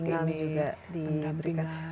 pendampingan juga diberikan